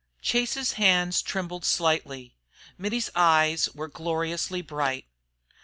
Chase's hands trembled slightly. Mittie's eyes were gloriously bright.